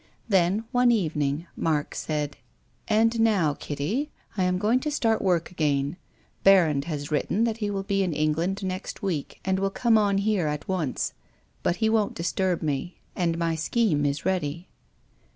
Then one evening Mark said, " And now, Kitty, I am going to start work again. Ik rrand has written that he will be in Eng land next week and will come on here at once. But he won't disturb mc. And my scheme is ready."